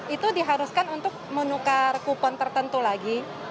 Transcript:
itu diharuskan untuk menukar kupon tertentu lagi